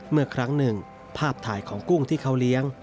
เมื่อครั้งหนึ่งภาพถ่ายของกุ้งที่เขาเลี้ยง